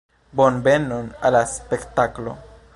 Bonvenon al la spektaklo!